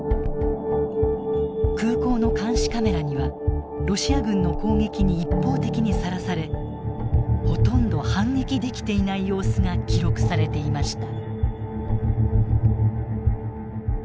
空港の監視カメラにはロシア軍の攻撃に一方的にさらされほとんど反撃できていない様子が記録されていました。